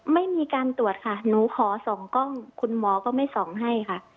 ไม่มีการตรวจค่ะหนูขอส่องกล้องคุณหมอก็ไม่ส่องให้ค่ะ